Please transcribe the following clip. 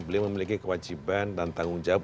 beliau memiliki kewajiban dan tanggung jawab